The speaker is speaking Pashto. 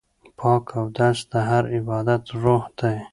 پاک اودس د هر عبادت روح دی.